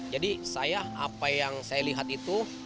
jadi apa yang saya lihat itu